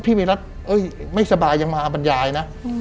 วิรัติไม่สบายยังมาบรรยายนะ